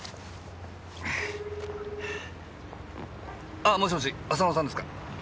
あぁもしもし浅野さんですか？